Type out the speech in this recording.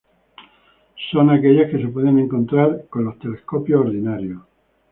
Son aquellas que se pueden encontrar con los telescopios ordinarios.